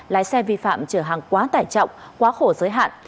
lái xe vi phạm trở hàng quá tải trọng quá khổ giới hạn